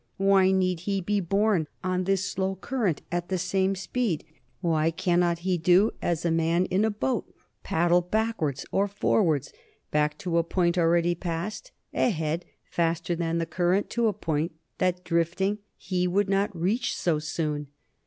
Why need he be borne on this slow current at the same speed? Why cannot he do as a man in a boat, paddle backwards or forwards; back to a point already passed; ahead, faster than the current, to a point that, drifting, he would not reach so soon?